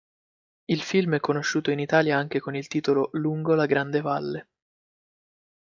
Il film è conosciuto in Italia anche con il titolo Lungo la grande valle.